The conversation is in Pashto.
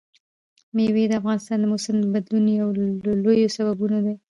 مېوې د افغانستان د موسم د بدلون یو له لویو سببونو ده.